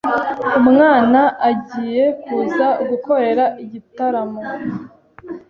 umwana agiye kuza gukorera igitaramo